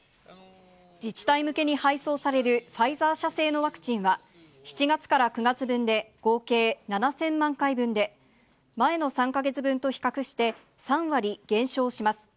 自治体向けに配送されるファイザー社製のワクチンは、７月から９月分で合計７０００万回分で、前の３か月分と比較して、３割減少します。